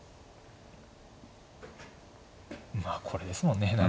まあこれですもんね